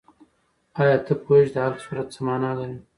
آیا ته پوهېږې چې د علق سورت څه مانا لري؟